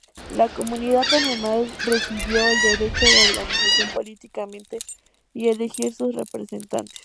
La comunidad además recibió el derecho de organizarse políticamente y elegir sus representantes.